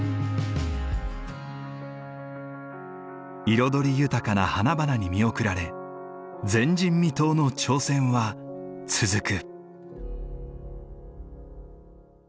彩り豊かな花々に見送られ前人未到の挑戦は続く。